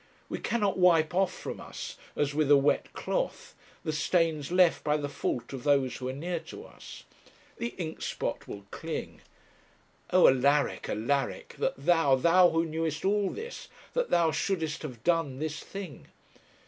We cannot wipe off from us, as with a wet cloth, the stains left by the fault of those who are near to us. The ink spot will cling. Oh! Alaric, Alaric, that thou, thou who knewest all this, that thou shouldest have done this thing!